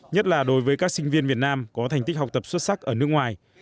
nhất là đối với các sinh viên việt nam có thành tích học tập xuất sắc ở nước ngoài